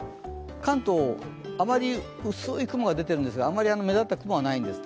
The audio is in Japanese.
関東、薄い雲が出てるんですがあまり目立った雲はないんです。